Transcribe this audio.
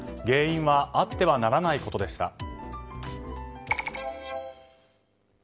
原因はあってはならないことでした。